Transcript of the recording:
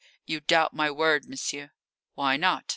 You doubt my word, monsieur!" "Why not?"